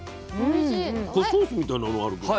これソースみたいなのあるけど。